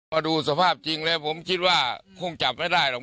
มาดูสภาพจริงแล้วผมคิดว่าคงจับไม่ได้หรอก